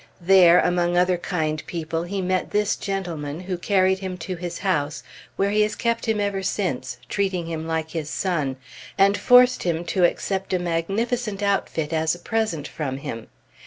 There, among other kind people, he met this gentleman, who carried him to his house, where he has kept him ever since, treating him like his son, and forced him to accept a magnificent outfit as a present from him.